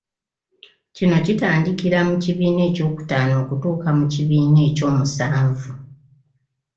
Kino kitandikira mu kibiina ekyokutaano okutuuka mu kibiina eky'omusanvu.